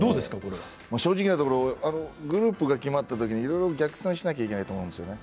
正直なところグループが決まったときにいろいろ逆算しないといけないと思うんですよね。